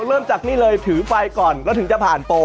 เริ่มจากนี่เลยถือไฟก่อนแล้วถึงจะผ่านโปร